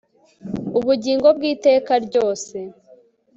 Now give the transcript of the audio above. ubugingo bw'iteka ryose